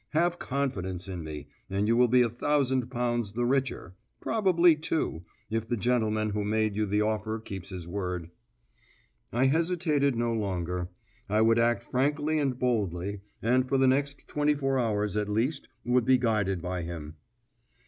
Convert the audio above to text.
Have confidence in me, and you will be a thousand pounds the richer, probably two, if the gentleman who made you the offer keeps his word." I hesitated no longer. I would act frankly and boldly, and for the next twenty four hours at least would be guided by him.